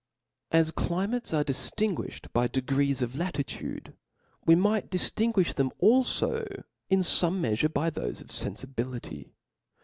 As climates are diftinguiflied by degrees of latitude, we might difUnguilh them alfo in fome meafure, by thofe of fenfibility.